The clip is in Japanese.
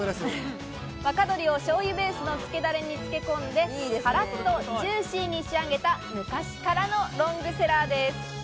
若鶏を醤油ベースのつけダレに漬け込んでカラッとジューシーに仕上げた、昔からのロングセラーです。